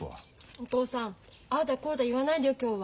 お父さんああだこうだ言わないでよ今日は。